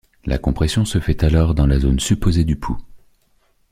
La compression se fait alors dans la zone supposée du pouls.